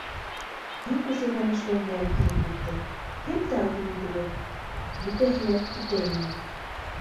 Иң көсөргәнешле мәл килеп етте: кем тәҡдим ителер? Бөтәһе лә көтә ине